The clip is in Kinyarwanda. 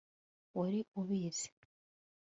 wari ubizi